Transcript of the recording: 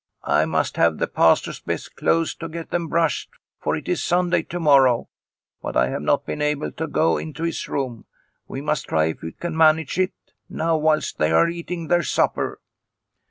" I must have the Pastor's best clothes to get them brushed, for it is Sunday to morrow, but I have not been able to go into his room. We must try, if we can manage it, now whilst they are eating their supper."